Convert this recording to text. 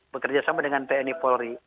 bekerja sama dengan tni polri